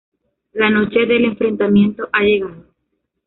La noche del enfrentamiento ha llegado.